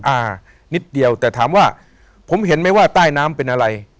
อ่านิดเดียวแต่ถามว่าผมเห็นไหมว่าใต้น้ำเป็นอะไร